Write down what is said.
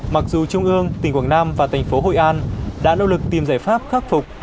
mặc dù trung ương tỉnh quảng nam và thành phố hội an đã nỗ lực tìm giải pháp khắc phục